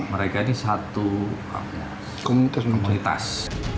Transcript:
mereka ini satu komunitas